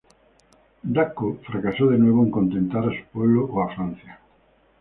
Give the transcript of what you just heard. Dacko fracasó de nuevo en contentar a su pueblo o a Francia.